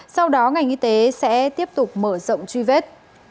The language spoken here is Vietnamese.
sau đó ngành y tế sẽ tiếp tục mở rộng truy vết